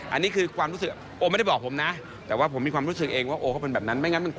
อันนี้คือความรู้สึกโอไม่ได้บอกผมนะ